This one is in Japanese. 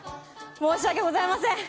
申し訳ございません。